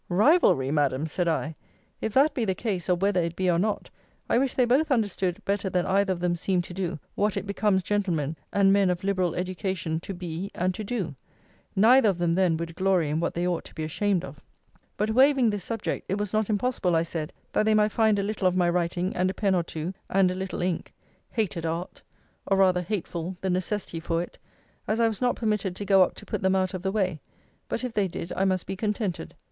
Rivalry! Madam, said I. If that be the case, or whether it be or not, I wish they both understood, better than either of them seem to do, what it becomes gentlemen, and men of liberal education, to be, and to do. Neither of them, then, would glory in what they ought to be ashamed of. But waving this subject, it was not impossible, I said, that they might find a little of my writing, and a pen or two, and a little ink, [hated art! or rather, hateful the necessity for it!] as I was not permitted to go up to put them out of the way: but if they did, I must be contented.